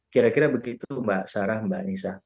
kira kira begitu mbak sarah mbak anissa